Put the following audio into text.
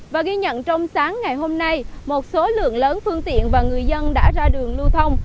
và ghi nhận trong sáng ngày hôm nay một số lượng lớn phương tiện và người dân đã ra đường lưu thông